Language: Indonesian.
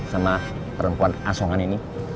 sama perempuan asongan ini